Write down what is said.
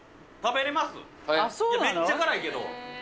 めっちゃ辛いけど。